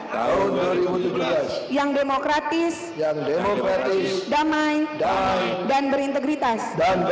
tahun dua ribu tujuh belas yang demokratis yang demokratis damai dan berintegritas